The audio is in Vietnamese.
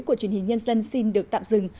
của truyền hình nhân dân xin được tạm dừng